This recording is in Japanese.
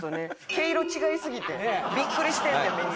毛色違いすぎてビックリしてんねんみんな。